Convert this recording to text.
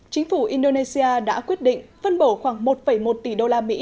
chính phủ indonesia đã quyết định phân bổ khoảng một một tỷ đô la mỹ